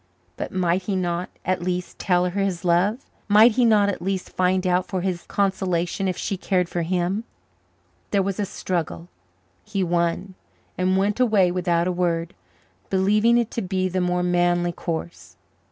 But might he not, at least, tell her his love? Might he not, at least, find out for his consolation if she cared for him? There was a struggle; he won, and went away without a word, believing it to be the more manly course.